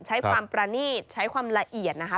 ใช้ความประนีตใช้ความละเอียดนะคะ